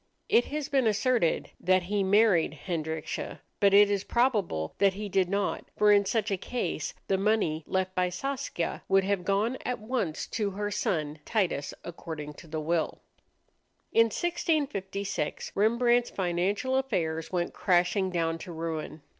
It has been asserted that he married Hendrickje, but it is probable that he did not, for in such a case the money left by Saskia would have gone at once to her son Titus, according to the will. In 1656 Rembrandt's financial affairs went crashing down to ruin.